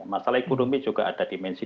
masalah ekonomi juga ada dimensi